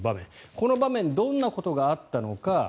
この場面どんなことがあったのか。